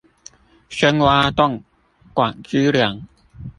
深挖洞，廣積糧